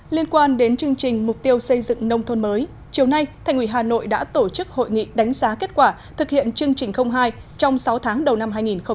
liên quan đến chương trình mục tiêu xây dựng nông thôn mới chiều nay thành ủy hà nội đã tổ chức hội nghị đánh giá kết quả thực hiện chương trình hai trong sáu tháng đầu năm hai nghìn một mươi chín